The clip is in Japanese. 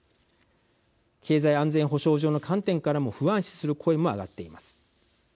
経済安全保障上の観点からも不安視する声も上がっています。